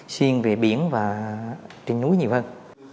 xuyên về biển và trên núi nhiều hơn